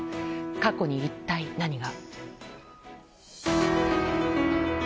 過去に一体、何が。